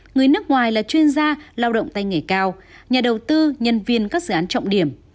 người nước ngoài là chuyên gia lao động tay nghề cao nhà đầu tư nhân viên các dự án trọng điểm